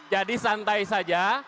jadi santai saja